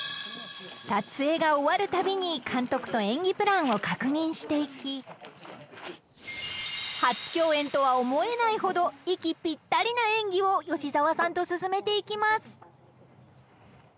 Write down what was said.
［撮影が終わるたびに監督と演技プランを確認していき初共演とは思えないほど息ぴったりな演技を吉沢さんと進めていきます］